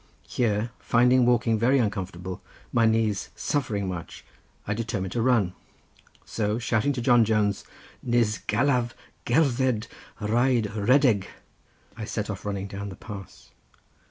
Here finding walking very uncomfortable, my knees suffering much, I determined to run. So shouting to John Jones, "Nis gallav gerdded rhaid rhedeg," I set off running down the pass.